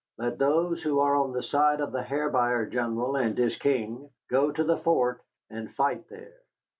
Let those who are on the side of the Hair Buyer General and his King go to the fort and fight there."